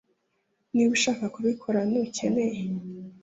Niba udashaka kubikora ntukeneye